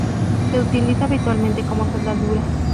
Se utiliza habitualmente como soldadura.